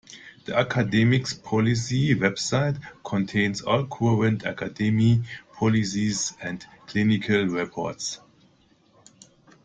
The academy's policy website contains all current academy policies and clinical reports.